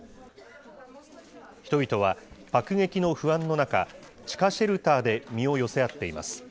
人々は、爆撃の不安の中、地下シェルターで身を寄せ合っています。